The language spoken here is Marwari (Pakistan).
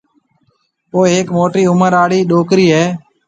او هيڪ موٽِي عُمر آݪِي ڏوڪرِي هيَ۔